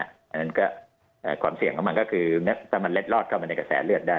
อันนั้นก็ความเสี่ยงของมันก็คือถ้ามันเล็ดลอดเข้ามาในกระแสเลือดได้